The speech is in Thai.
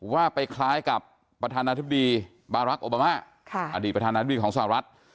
ว่าไปคล้ายกับประธานาธิบดีบารักษ์โอบามาอดีตประธานาธิบดีของสหรัฐ